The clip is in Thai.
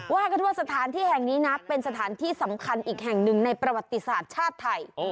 ว่ากันว่าสถานที่แห่งนี้นะเป็นสถานที่สำคัญอีกแห่งหนึ่งในประวัติศาสตร์ชาติไทย